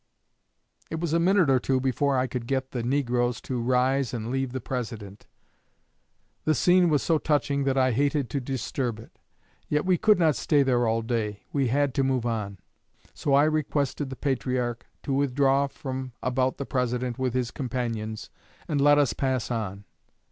It was a minute or two before I could get the negroes to rise and leave the President. The scene was so touching that I hated to disturb it, yet we could not stay there all day; we had to move on; so I requested the patriarch to withdraw from about the President with his companions, and let us pass on.